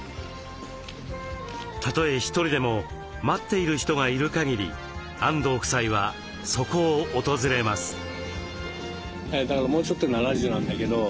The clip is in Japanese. たとえ１人でも待っている人がいるかぎり安藤夫妻はそこを訪れます。